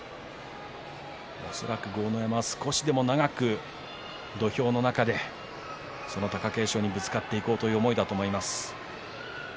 恐らく豪ノ山は少しでも長く土俵の中でその貴景勝にぶつかっていくという思いだと思います。